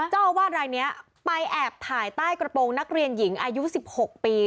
เจ้าอาวาสรายนี้ไปแอบถ่ายใต้กระโปรงนักเรียนหญิงอายุ๑๖ปี